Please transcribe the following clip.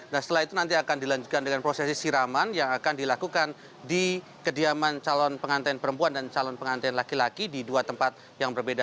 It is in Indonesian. nah setelah itu nanti akan dilanjutkan dengan prosesi siraman yang akan dilakukan di kediaman calon pengantin perempuan dan calon pengantin laki laki di dua tempat yang berbeda